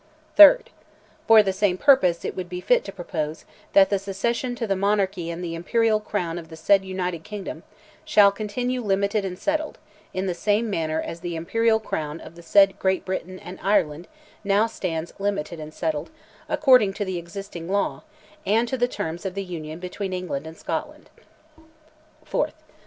3rd. "For the same purpose it would be fit to propose, that the succession to the monarchy and the imperial crown of the said United Kingdom, shall continue limited and settled, in the same manner as the imperial crown of the said Great Britain and Ireland now stands limited and settled, according to the existing law, and to the terms of the union between England and Scotland. 4th.